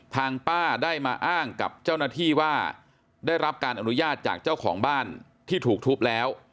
ป้าได้มาอ้างกับเจ้าหน้าที่ว่าได้รับการอนุญาตจากเจ้าของบ้านที่ถูกทุบแล้ว